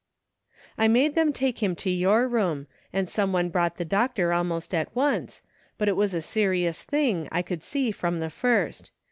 " I made them take him to your room, and some one brougtht the doctor almost at once, but it was a serious thing, I could see from the first.